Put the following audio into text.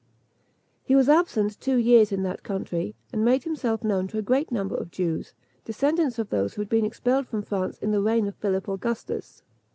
He was absent two years in that country, and made himself known to a great number of Jews, descendants of those who had been expelled from France in the reign of Philip Augustus.